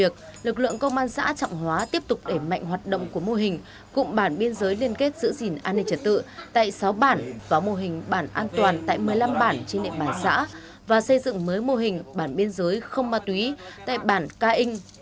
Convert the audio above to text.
lực lượng công an xã trọng hóa tiếp tục để mạnh hoạt động của mô hình cụm bản biên giới liên kết giữ gìn an ninh trật tự tại sáu bản và mô hình bản an toàn tại một mươi năm bản trên địa bàn xã và xây dựng mới mô hình bản biên giới không ma túy tại bản ca in